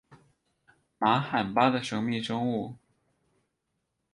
玛罕巴的神秘生物。